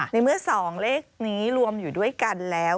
ในเมื่อ๒เลขนี้รวมอยู่ด้วยกันแล้ว